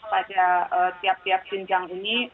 pada tiap tiap jenjang ini